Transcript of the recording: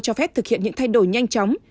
cho phép thực hiện những thay đổi nhanh chóng